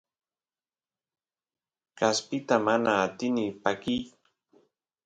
kaspita mana atini pakiy